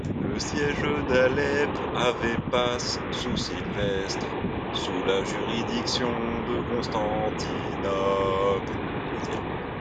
Le siège d'Alep avait passe, sous Sylvestre, sous Ia juridiction de Constantinople.